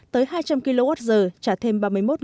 tới hai trăm linh kwh trả thêm